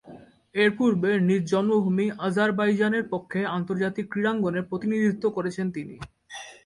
এর পূর্বে নিজ জন্মভূমি আজারবাইজানের পক্ষে আন্তর্জাতিক ক্রীড়াঙ্গনে প্রতিনিধিত্ব করেছেন তিনি।